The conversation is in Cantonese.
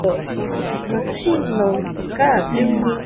錯就要認，打就企定